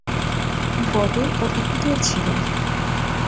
বদর ও উহুদেও ছিলেন।